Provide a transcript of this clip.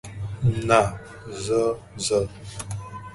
نه، زه، زه.